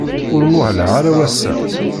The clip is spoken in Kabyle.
Ur muhleɣ ara ass-a.